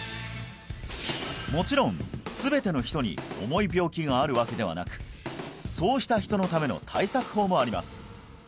もちろん全ての人に重い病気があるわけではなくそうした人のための対策法もあります